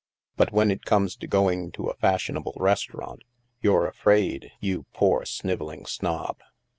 But when it comes to going to a fashionable restaurant, you're afraid, you poor snivelling snob!